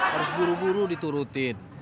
harus buru buru diturutin